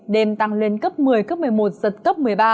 đêm tăng lên cấp một mươi cấp một mươi một giật cấp một mươi ba